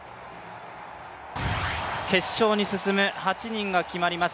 決勝に進む８人が決まります